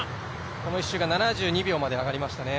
この１周が７２秒まで上がりましたね。